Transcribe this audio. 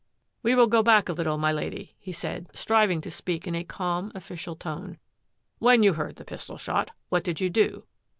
" We will go back a little, my Lady," he said, striving to speak in a calm, official tone. " When you heard the pistol shot, what did you do?